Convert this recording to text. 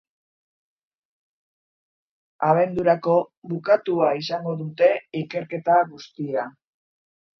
Abendurako bukatua izango dute ikerketa guztia.